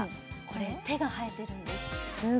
これ手が生えてるんです